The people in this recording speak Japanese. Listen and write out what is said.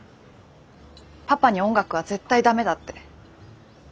パパに音楽は絶対ダメだって。